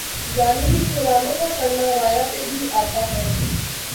ظالم حکمرانوں کا کرنا رعایا پہ بھی آتا ھے